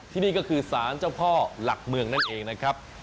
ที่นี่ก็คือสารเจ้าพ่อหลักเมืองนั่นเองนะครับ